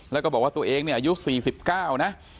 แล้วก็บอกว่าตัวเองเนี่ยอายุ๔๙นะ